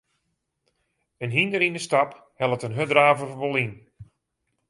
In hynder yn 'e stap hellet in hurddraver wol yn.